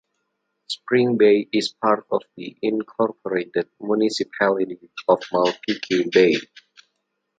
Spring Bay is part of the incorporated municipality of Malpeque Bay.